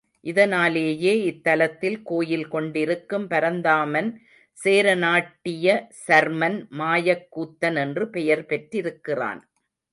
இதனாலேயே இத்தலத்தில் கோயில் கொண்டிருக்கும் பரந்தாமன் சோரநாட்டிய சர்மன் மாயக் கூத்தன் என்று பெயர் பெற் றிருக்கிறான்.